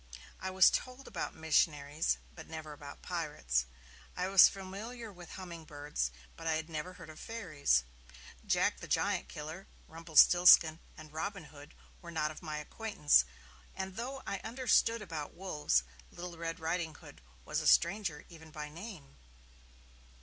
I was told about missionaries, but never about pirates; I was familiar with hummingbirds, but I had never heard of fairies Jack the Giant Killer, Rumpelstiltskin and Robin Hood were not of my acquaintance; and though I understood about wolves, Little Red Ridinghood was a stranger even by name.